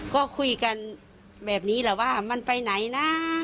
ก็คุยกันแบบนี้แหละว่ามันไปไหนนะ